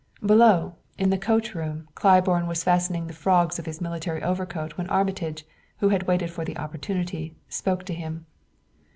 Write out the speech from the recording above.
Below, in the coat room, Claiborne was fastening the frogs of his military overcoat when Armitage, who had waited for the opportunity, spoke to him.